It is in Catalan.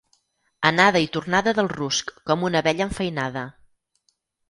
Anada i tornada del rusc, com una abella enfeinada.